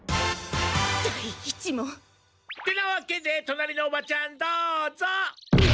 第１問。ってなわけで隣のおばちゃんどうぞ！